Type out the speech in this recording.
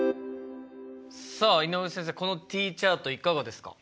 さあ井上先生このＴチャートいかがですか？